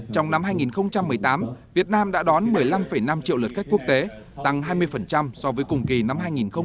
trong năm hai nghìn một mươi tám việt nam đã đón một mươi năm năm triệu lượt khách quốc tế tăng hai mươi so với cùng kỳ năm hai nghìn một mươi tám